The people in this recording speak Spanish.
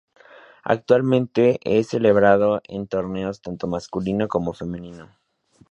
Actualmente es celebrado en torneos tanto masculino como femenino.